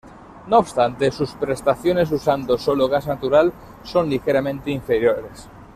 No obstante sus prestaciones usando solo gas natural son ligeramente inferiores.